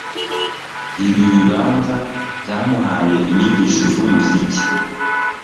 Ibi bibanza byamuhaye inyigisho zumuziki